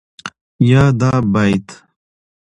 يا دا بيت